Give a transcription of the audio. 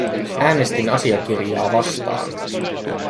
Äänestin asiakirjaa vastaan.